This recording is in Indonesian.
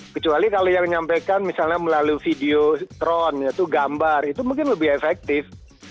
kecuali kalau yang nyampaikan misalnya melalui video tron yaitu gambar itu mungkin lebih efektif